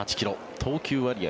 投球割合